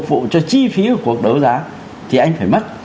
cái phần phục cho chi phí của cuộc đấu giá thì anh phải mất